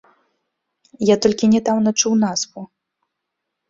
Я толькі нядаўна чуў назву.